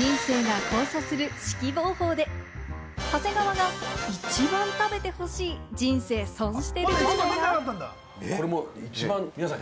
人生が交差する四季ボウ坊で長谷川が一番食べてほしい、人生損してるグルメが。